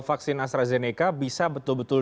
vaksin astrazeneca bisa betul betul